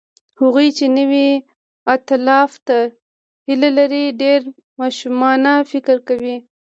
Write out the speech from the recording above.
هغوی چې نوي ائتلاف ته هیله لري، ډېر ماشومانه فکر کوي.